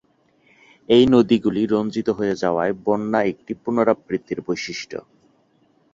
এই নদীগুলি রঞ্জিত হয়ে যাওয়ায়, বন্যা একটি পুনরাবৃত্তি বৈশিষ্ট্য।